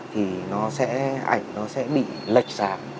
thì ảnh nó sẽ bị lệch sạc